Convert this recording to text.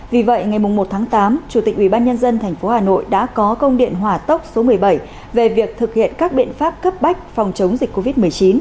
vì vậy ngày một tháng tám chủ tịch ubnd tp hà nội đã có công điện hỏa tốc số một mươi bảy về việc thực hiện các biện pháp cấp bách phòng chống dịch covid một mươi chín